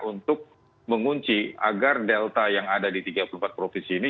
untuk mengunci agar delta yang ada di tiga puluh empat provinsi ini